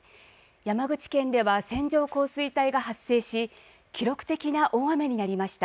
山口県では線状降水帯が発生し記録的な大雨になりました。